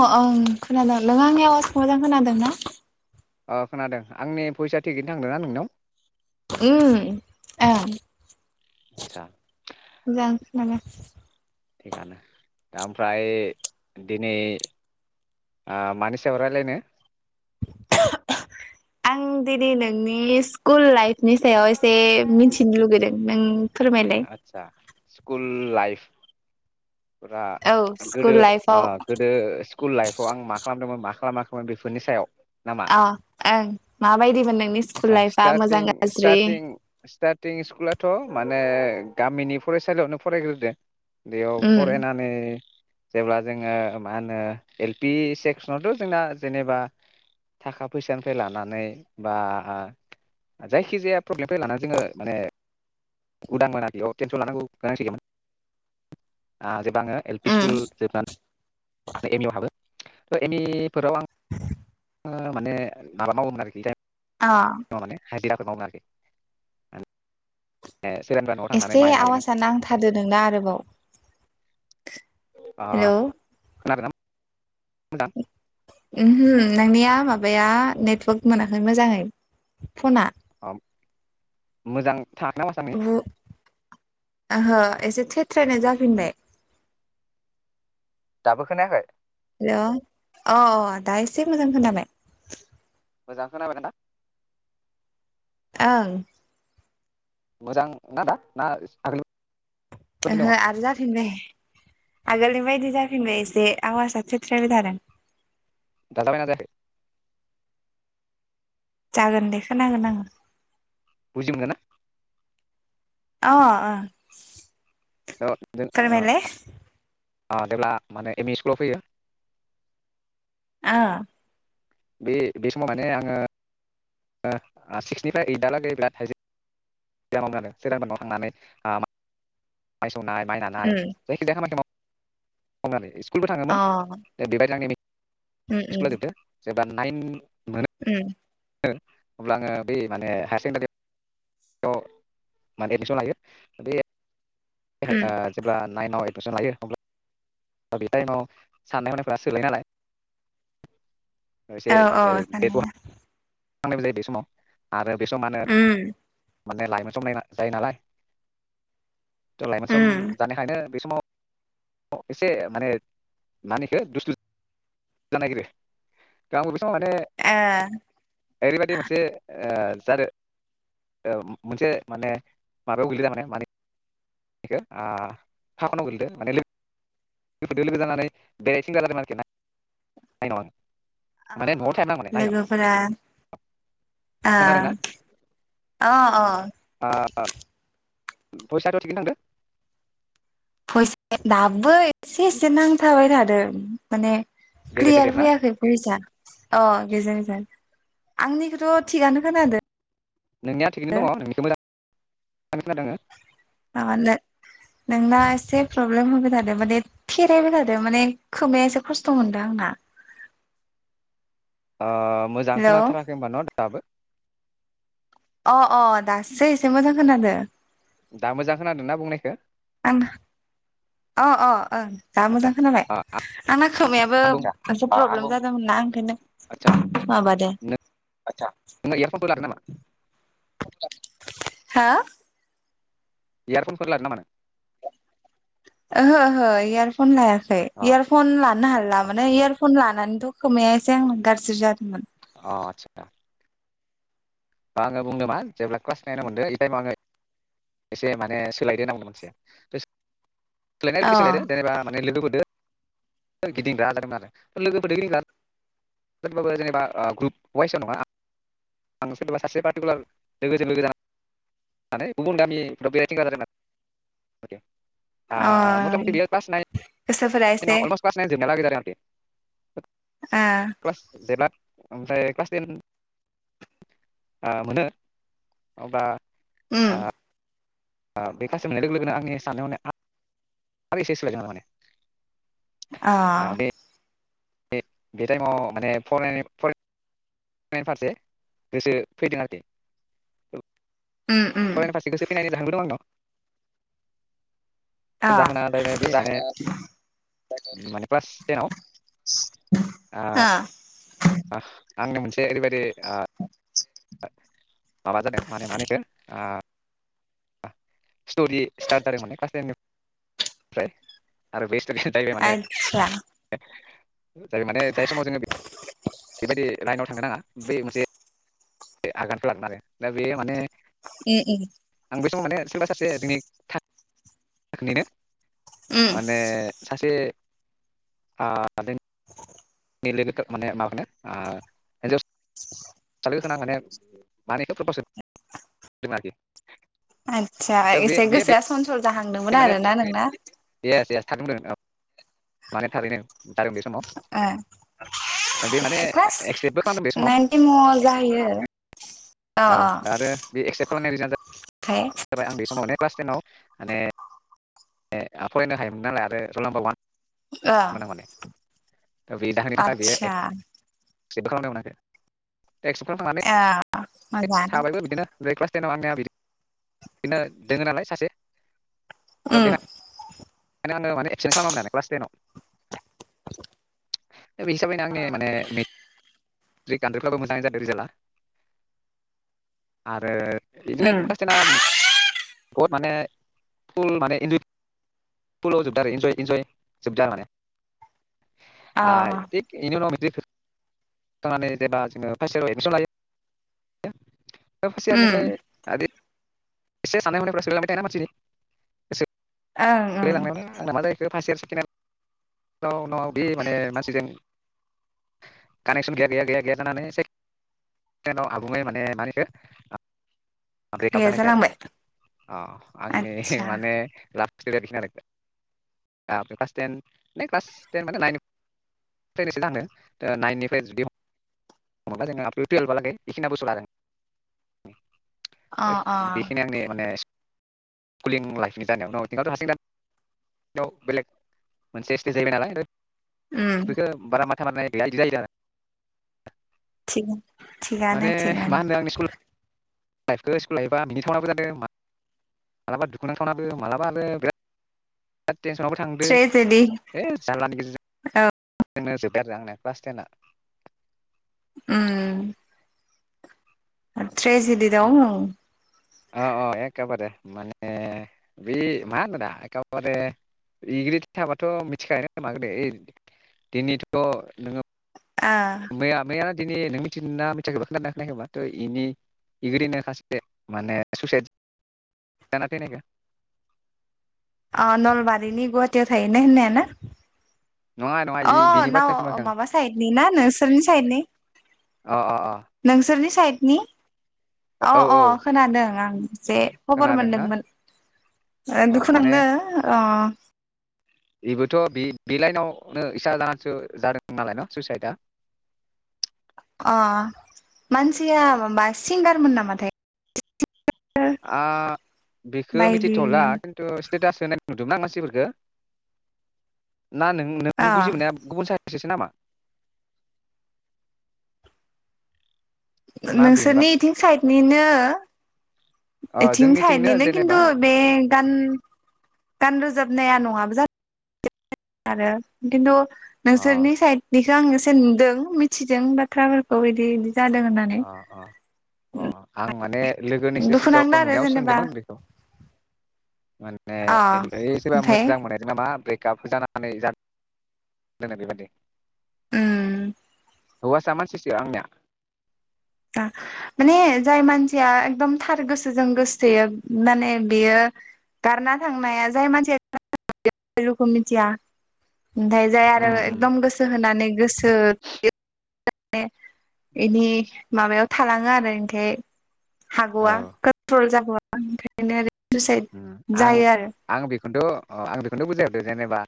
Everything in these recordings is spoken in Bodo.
अ ओं खोनादों नों आंनि आवाज मोजां खोनादों ना? अ खोनादों आंनि फैसाया थिगैनो थांदोंना नोंनाव? उ औ आदसा जों मानो थिगानो दा ओमफ्राय दिनै ओ मानि सायाव रायज्लायनो? आं दिनै नोंनि स्कुल लाइफ नि सायाव एसे मिथि थिनो लुगैदों नों? फोरमायलाय आतसा। स्कुल लाइफ फुरा औ गोदो स्कुल आ लाइफआव गोदो स्कुल लाइफआव आं मा खालामदोंमोन मा खालामाखै बेफोरनि सायाव नामा? अ ओं माबायदिमोन नोंनि स्कुल आदसा लाइफआ मोजां गाज्रि टिं स्कुलाथ माने गामिनि फरायसालियावनो फरायग्रोदो बेयाव उम फरायनानै जेब्ला जोङो मा होनो एल-पि सेकसनावथ जोंना जेनेबा थाखा फैसानिफ्राय लानानै बा जायखि जाया प्रब्लेमनि लानानै जोङो माने उदांमोन आरोखि औ टेनसन लानांगौ गोनांथि गैयामोन आ जे आङो एल-पि उम स्कुल जोबनानै एम-इ आव हाबो। एनिफोराव आं ओ माने माबा मावोमोन आरो बे टाइमाव अ माने हाजिरा मावोमोन आरोखि आं। एसे आवाजआ नांथादो नोंना आरोबाव। अ हेलौ खोनादों? [unintelligible] ओहो नोंनिया माबाया नेटवर्क मोनाखै मोजाङै फना। अ मोजां [unintelligible] गु ओहो एसे थेथ्रायनाय जाफिनबाय। दाबो खोनायाखै? हेलौ अ दा एसे मोजां खोनाबाय। मोजां खोनाबायना? ओं। मोजां ना दा ना आगोल ओहो आरो जाफिनबाय। आगोलनि बायदि जाफिनबाय एसे आवाजआ थेथ्रायबाय थादों। दा जाबाय ना जायाखै? जागोन दे खोनागोन आङो। बुजि मोनगोन ना? अ ओ। [unintelligible] अ जेब्ला माने एम-इ स्कुलाव फैयो। आ। बे बे समाव माने आङो। सिक्सनिफ्राय ओइदआलागै बिरादाइामाव जादों सोरिरांबाव थांनानै [inaudible] नाय माइ नानाय उम जायखि जाया खामानि मावो। खम आरो इस। स्कुलबो अ थाङोमोन द बेबायदि आंनि। उम उम सिख्ला देरदो। सोरबा नाइन मोनो। उम अब्लानो बै माने हायार सेकेण्डारि माने एडमिसन लायो बे उम जेब्ला नाइनाव इ सन लायो अब्ला [unintelligible] साननाय हनायफ्रा सोलाय नालाय औ औ साननाया। थांनायबो जायो बे समाव आरो बे समानो। उम माने लाइमोन समनाय जायो नालाय लाइमोन सम उम ओ जानायखायनो बे समाव एसे माने मानिखो दुसटु जानो नायगिरो आंबो माने अ ओरैबायदि मोनसे ओ जादों मोनसे माने माबायाव गोलैदो माने। बेखौ फाखनाव गोलैदो माने लोग लोगोदो लोगो जानानै बेरायथिंग्रा जादों माने आरोखि ना [unintelligible] औ औ लोगोफोरा औ। अ अ अ अ फैसाथ थगि थांदों। फैसा दाबो एसे एसे नांथाबाय थादों माने गेजेर गेजेर क्लियार ना फैयाखै वौइसआ गोजों गोजान आंनिखौथ थिगानो खोनादों। नोंनि आ थिगगैनो दङ नोंखौ मोजां खोनादों आङो [inaudible] नोंना एसे प्रब्लेम होबाय थादो माने थेरायबाय थादो माने खोमाया एसे खस्थ मोनदों आंना। मोजां हेलौ खोनाथाराखै होनोमबा न दाबो? अ अ दासो एसे मोजां खोनादों। दा मोजां खोनादों ना बुंनायखौ। आं अ अ ओ दा आदसा मोजां खोनाबाय आं आंना खोमायाबो बुं मोनसे प्रब्लेम जादोंमोन ना आंखोनो आदसा माबा दे नोङो इयारफनफोर लादों नामा [inaudible] हा इयारफनफोर लादों नामानो? ओहो ओहो इयारफन लायाखै। अ इयारफन ला नो हाला अ माने इयारफन लानानैथ खोमाया एसे आं गाज्रि जादोंमोन। अ आतसा आङो बुंदों मा जेब्ला क्लास नाइनाव मोनदों टाइमाव आङो एसे माने सोलायदों होनामदों मोनसे सोलायनाय अ बिदि सोलायद जेनोबा माने लोगोफोरजों गिदिंग्रा आ जादोंमोन आरो लोगोफोरजों [unintelligible] गिदिंगबाबो जेनेबा ग्रुप वाइसाव नङा आं सोरबा सासे पार्टिकुलार लोगोजों लोगो [unintelligible] जानानै गुबुन गामिफ्राव बेरायथिंग जादों। ओ अ मथामथि बियो [unintelligible] गोसोफोरा एसे आव अलमस ख्लास नाइन जोबनाय लागै जादों। [inaudible] ओ [unintelligible] ओमफ्राय क्लास टेन ओ मोनो अब्ला उम आ बे कास मोननाय लोगो लोगोनो आंनि साननाय हनो आ सोलाय दों माने ओ बे इ बे टाइमाव माने फरायनायराय फारसे गोसो फैदों आरोखि उम उम फरेन फारसे गोसो फैनानै जाहोनबो दं आंनाव अ जाहोना जाहैबाय बे माने माने क्लास टेनाव [inaudible] अ आंनो मोनसे ओरैबादि ओ माबा जादों मा होनो बिखो ओ स्टरि स्टार्ट जादोंमोनान क्लास टेननिफ्राय आरो बे। जाबाय माने। आतसा जायो माने जाय समाव। बेबायदि लाइनाव थांगनो नाङा बे मोनसे आगानखौ [unintelligible] लागोन आरो दा बे माने। ए ए। बे समाव माने सोरबा सासे जोंनि [unintelligible] थाखायनो। माने सासे। [unintelligible] [unintelligible] [unintelligible] आतसा दा बे एसे बे बे गोसा सनस जाहांदोंमोन आरोना नोंना। थाथदों औ माने थारैनो जादों बे समाव ओ दा बे माने क्लास एक्सेप्टबो खालामदों बे समाव नाइन टेनाव जाहैयो अ औ दा आरो बे एक्सेप [unintelligible] फ्राय क्लास टेनाव माने ने फरायनो हायोमोन नालाय आरो रल नाम्बार वान आ आतसा जेबो खालामनो मोनाखै। [unintelligible] अ मोजां [unintelligible] [unintelligible] बिदिनो [unintelligible] उम ओं माने एपसेनट खालामामोन आरो क्लास टेनाव। बे हिसाबैनो आंनि माने [unintelligible] जादों रिजाल्टआ आरो बिदिनो उम खाल्स टेना बहुद माने खुल माने इनजय फुलाव जोबदो आरो इन्जय इन्जय जोबदो आरो माने अ आ इनि उनाव मे [unintelligible] बे फार्स्ट उम इयारनिफ्राय [unintelligible] ओं ओं सोलायलांनायावनो आंना मा जाहैखो फार्स्ट इयार सेकेड न'आव बि माने मानसिजों कानेक्सन गैया गैया गैया गैया जानानै से [unintelligible] बेेकआप गैया जानायसै आरो जालांबाय अ आंनि आदसा माने ला [unintelligible] अ [unintelligible] अ बेखिनि आंनि माने [unintelligible] बेखो उम बारा [unintelligible] [unintelligible] गैया इदि जायो आरो थिग थिगानो थिगानो लाइफखो स्कुल लाइफबा मिनि थावनाबो जादों मा मालाबा दुखुनांथावनाबो मालाबा आरो बिराद टेनसनावबो थांदो ट्रेजेडि ए जारलानि गेजेरजों नो जोब्बाय आरो आंना क्लास टेना उम ट्रेजेडि दं ओ अ अ एखेबारे माने बे मा होननो दा एखेबारे इग्रि थाबाथ मिथिखागोन खोमा गोदो ओइ दिनैथ नोङो मैया बिराद दिनि नों मिथिदोंना मिथियाखैबा खोनदों ना‌ खोनायाखैबा इनि इखोरिनि खासे माने सुइसाइद जानानै थैनायखो अ नलबारनि गुवाहाटीयाल थाहैनाय होननाया ना? नङा नङा अ इ बिनि नाव बाथ्राखौ होनाखै माबा साइदनि ना नोंसोरनि साइदनि आं अ अ नोंसोरनि सायदनि अ औ अ औ खोनादों आं उम जे खबर खोनादोंना मोनदोंमोन अ माने दुखुनांदों बेबोथ' बे बे लाइनावनो इसा जानानैसो जादों नालाय न सुइसाइदआ अ मानसिया माबा सिंगारमोन नामाथाय? बेखो बायदि मिथिथ'ला खिन्थु स्टेटास होनाय नुदोंना मानसिफोरखौ ना नों अ नों बुजि मोननाया गुबुन साइद सासे नामा? ना बेनोबा नोंसोरनि इथिं साइदनिनो अ इथिं जोंनिथिंनो साइदनिनो किन्तु जेनेबा बे गान-गान रोजाबनाया नङाबो [unintelligible] [inaudible] आरो खिन्थु अ नोंसोरनि साइदनिखौ आङो सोंदों मिथिदों बाथ्राफोरखौ बिदि बिदि जादों होननानै अ अ अ आं माने लोगोनि दुखु नांदों सेसेसआव आरो नुनायाव जेनेबा सोंदोंमोन बेखौ मानने अ ओय सोरबा ओमफ्राय मोजां [unintelligible] गाबोजानानै जा दोननाय बेबादि उम हौवासा मानसिसो आंनिया ओ माने जाय मानसिया एकदम थार गोसोजों गोसोथोयो माने बेयो गारना थांनाया जाय मानसिया [inaudible] रुखोम मिथिया ओमफाय जाय उम आरो उम एकदम गोसो होनानै गोसो [inaudible] [inaudible] ने बेनि माबायाव थालाङो आरो ओनिखाय औ हागवा कट्रल जागवा ओंखायनो आरो सुइसाइद जायो आरो। त' ओ आङो बेखौनथ' बुजायहरदों जेनेबा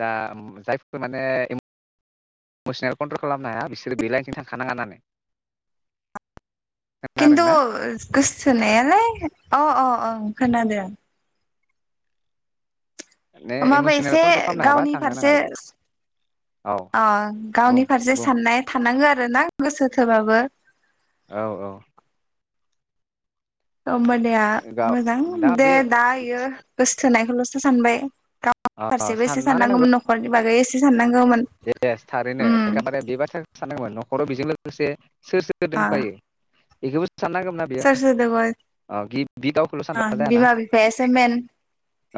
जा उम जायफोरखौ माने इम'सनेल कन्ट्रल खालामनो हाया बिसोरो बे लाइनथिं थांखानाङा होननानै। खिन्थु खोनादोंना गोसथोनायालाय अ अ ओं खोनादों। माने हमबाबो इमसनेल एसे कन्ट्रल खालामनो हाबा गावनि थांनो फारसे नाङा इदि औ अ बुं गावनि फारसे बुं साननाया थानांगोन आरोना गोसो थोबाबो। औ औ। हमबानिया गाव मोजां दा दे बे दा इयो गोस थोनायखौल'सो सानबाय गाव ओ फारसेबो एसे साननांगौमोन न'खरनि बागै एसे साननां बे एस थारैनो एखेबारे बे बाथ्रा साननांगमोन न? खराव बिजों लोगोसे सोर सोर थो अ दोंफायो? इखौबो सोर सोर दङ, गि बि गावखौल' ओं सानबा जायाना बिमा बिफायासो मेन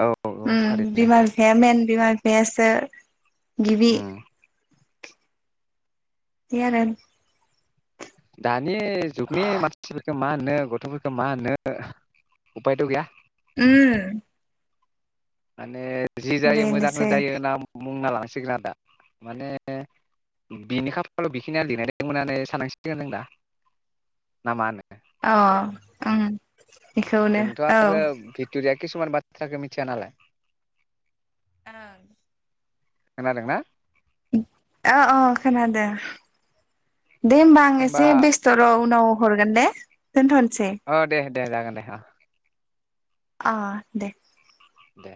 औ औ उम थारैनो बिमा बिफाया मेन मेन बिमा बिफायासो गिबि उम जि आरो दा नि जुगनि मानसिफोरखौ मा होननो गथ'फोरखौ मा होननो उफायथ' गैया। उम। माने जि जायो मोजाङानो बेनोसै जायो होना बुंना लाङो सिंगोन आरो दा। माने बिनि खाफालाव बेखिनियानो लिरनाय दोंमोन सान्नांसिगोन जों दा ना मा होनो? अ। उम। अ बेखौनो जोंथ' औ आरो भिट'रिया किसुमान बाथ्राखो मिथिया नालाय ओं। खोनादोंना? अ ओ खोनादों दे होम्बा आं होमबा एसे बेस्थ र उनाव हरगोन दे दोनथनोसै? अ दे दे जागोन दे अ। अ दे। दे